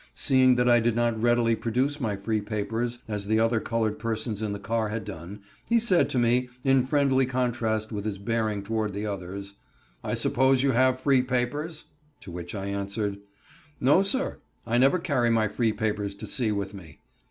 Seeing that I did not readily produce my free papers, as the other colored persons in the car had done, he said to me, in friendly contrast with his bearing toward the others: "I suppose you have your free papers?" To which I answered: "No sir; I never carry my free papers to sea with me."